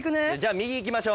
右行きましょう。